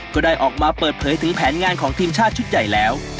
ก็ได้ออกมาเปิดเผยถึงแผนงานของทีมชาติชุดใหญ่แล้ว